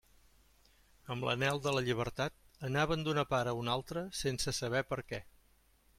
Amb l'anhel de la llibertat, anaven d'una part a una altra sense saber per què.